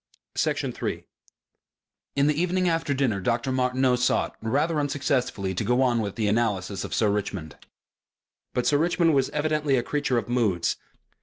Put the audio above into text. Section 3 In the evening after dinner Dr. Martineau sought, rather unsuccessfully, to go on with the analysis of Sir Richmond. But Sir Richmond was evidently a creature of moods.